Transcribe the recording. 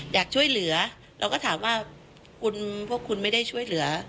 อยากช่วยเหลือเราก็ถามว่าคุณพวกคุณไม่ได้ช่วยเหลือ